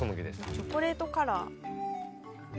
チョコレートカラー。